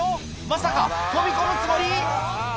まさか飛び込むつもり？